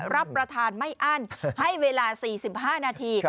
รับประทานไม่อั้นให้เวลา๔๕นาที